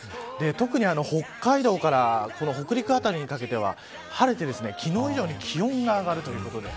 特に北海道から北陸辺りにかけては晴れて、昨日以上に気温が上がるということです。